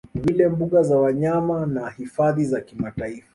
vile mbuga za wanyama na Hifadhi za kitaifa